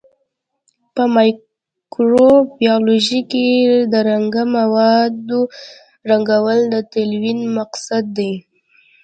په مایکروبیولوژي کې د رنګه موادو رنګول د تلوین مقصد دی.